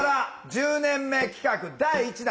１０年目企画第１弾